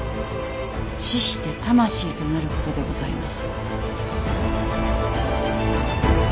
死して魂となることでございます。